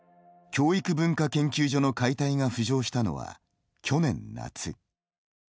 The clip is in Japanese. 教育文化研究所の解体が浮上したのは去年夏。